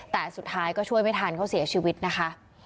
แต่สุดท้ายก็ช่วยไม่ทันเขาเสียชีวิตนะคะ